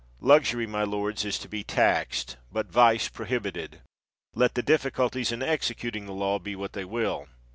Luxury, my lords, is to be taxed, but vice pro hibited, let the difficulties in executing the law be what they will.